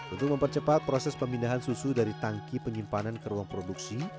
untuk mempercepat proses pemindahan susu dari tangki penyimpanan ke ruang produksi